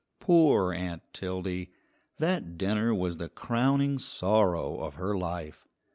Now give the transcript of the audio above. Poor Aunt Tildy! That dinner was the crowning sorrow of her life.